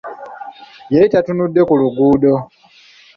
Yali tatunudde ku luguudo.